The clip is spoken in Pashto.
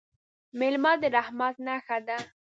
مېلمه د رحمت نښه ده.